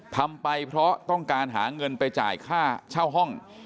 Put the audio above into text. ทำไปเพราะต้องการหาเงินไปจ่ายค่าเช่าห้อง